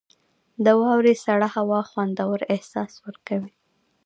• د واورې سړه هوا خوندور احساس ورکوي.